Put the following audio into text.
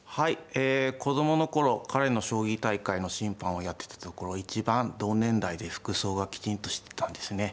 え子供の頃彼の将棋大会の審判をやってたところ一番同年代で服装がきちんとしてたんですね。